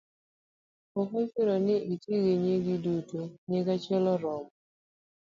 ok ochuno ni iti gi nyingi duto; nying achiel oromo.